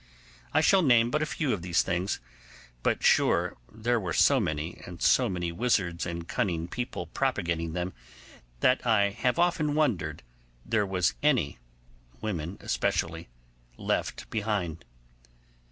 I shall name but a few of these things; but sure they were so many, and so many wizards and cunning people propagating them, that I have often wondered there was any (women especially) left behind.